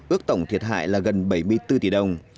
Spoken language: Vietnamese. ước tổng thiệt hại là gần bảy mươi bốn tỷ đồng